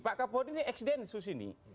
pak kapolri ini ex densus ini